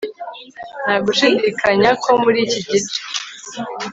nta gushidikanya ko muri iki gice